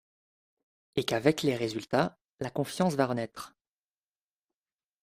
Et qu’avec les résultats, la confiance va renaître.